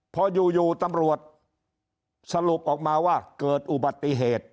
พออยู่ตำรวจสรุปออกมาว่าเกิดอุบัติเหตุ